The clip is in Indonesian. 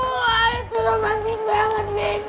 wah itu loh manting banget beb